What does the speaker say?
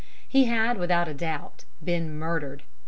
He had, without doubt, been murdered.